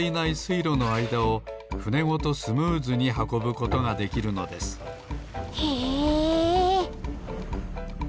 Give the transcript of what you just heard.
いろのあいだをふねごとスムーズにはこぶことができるのですへえ！